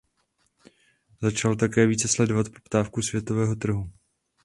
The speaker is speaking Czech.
Začal také více sledovat poptávku světového trhu.